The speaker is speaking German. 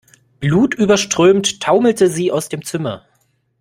Blutüberströmt taumelte sie aus dem Zimmer.